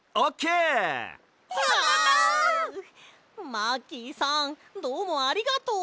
マーキーさんどうもありがとう！